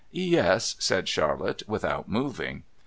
"Yes," said Charlotte, without moving.